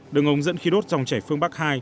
đường ống dẫn khí đốt dòng chảy phương bắc hai